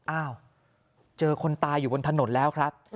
อ้าวเจอคนตายอยู่บนถนนแล้วครับ